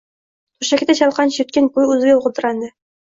To‘shakda chalqancha yotgan ko‘yi o‘ziga g‘udrandi